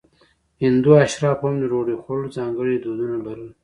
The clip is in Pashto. هندو اشرافو هم د ډوډۍ خوړلو ځانګړي دودونه لرل.